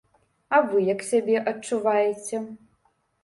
А вы як сябе адчуваеце?